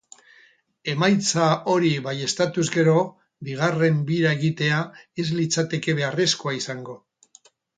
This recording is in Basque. Emaitza hori baieztatuz gero, bigarren bira egitea ez litzakete beharrezkoa izango.